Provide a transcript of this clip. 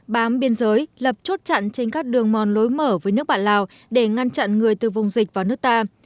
bám biên giới lập chốt chặn trên các đường mòn lối mở với nước bạn lào để ngăn chặn người từ vùng dịch vào nước ta